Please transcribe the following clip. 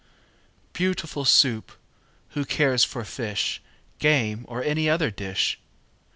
Beautiful Soup! Who cares for fish, Game, or any other dish?